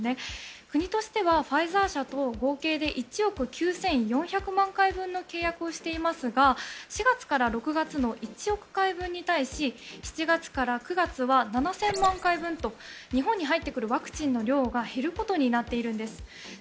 国としてはファイザー社と合計で１億９４００万回分の契約をしていますが４月から６月の１億回分に対し７月から９月は７０００万回分と日本に入ってくるワクチンの量が減ることになっているんです。